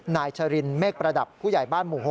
นายชรินเมฆประดับผู้ใหญ่บ้านหมู่๖